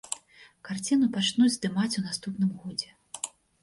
Карціну пачнуць здымаць у наступным годзе.